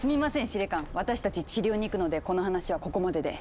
司令官私たち治療に行くのでこの話はここまでで。